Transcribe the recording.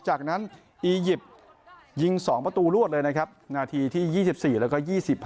จากนั้นอียิปต์ยิง๒ประตูรวดเลยนะครับนาทีที่๒๔แล้วก็๒๕